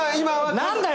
何だよ